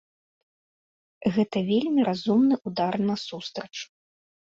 Гэта вельмі разумны ўдар насустрач.